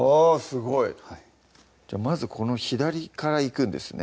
すごいまずこの左からいくんですね